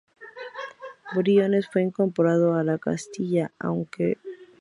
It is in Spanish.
Briones fue incorporado a Castilla aunque bajo el señorío personal de Juan de Navarra.